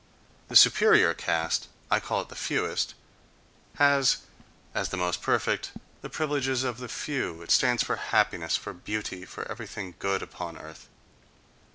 The superior caste—I call it the fewest—has, as the most perfect, the privileges of the few: it stands for happiness, for beauty, for everything good upon earth.